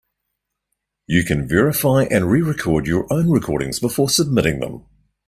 You can verify and re-record your own recordings before submitting them.